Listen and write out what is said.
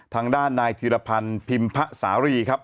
ทางด้านนายธีรพันธ์พิมพะสารีครับ